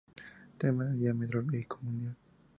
Temas del Día Meteorológico Mundial